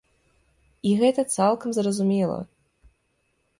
І гэта цалкам зразумела.